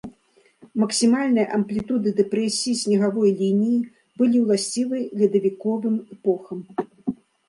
Максімальныя амплітуды дэпрэсіі снегавой лініі былі ўласцівы ледавіковым эпохам.